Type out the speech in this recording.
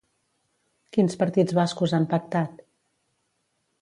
Quins partits bascos han pactat?